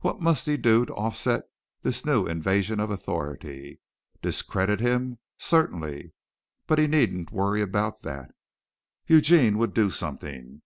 What must he do to offset this new invasion of authority? Discredit him? Certainly. But he needn't worry about that. Eugene would do something.